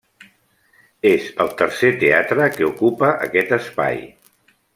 És el tercer teatre que ocupa aquest espai.